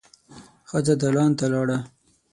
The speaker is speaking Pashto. ښځه دالان ته لاړه.